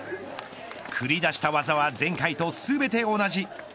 繰り出した技は前回と全て同じ。